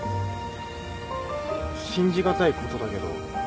信じ難いことだけど。